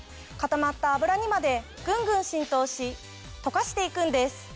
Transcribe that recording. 固まった油にまでぐんぐん浸透し溶かして行くんです。